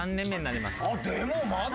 でもまだ。